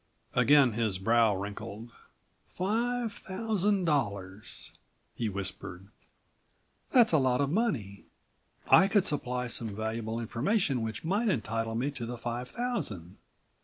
Again his brow wrinkled. "Five thousand dollars!" he whispered. "That's a lot of money. I could supply some valuable information which might entitle me to the five thousand.